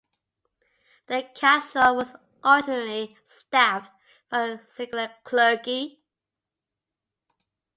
The cathedral was originally staffed by secular clergy.